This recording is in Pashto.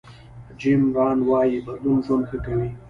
جیم ران وایي بدلون ژوند ښه کوي.